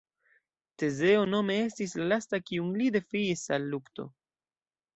Tezeo nome estis la lasta kiun li defiis al lukto.